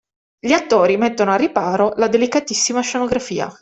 Gli attori mettono al riparo la delicatissima scenografia.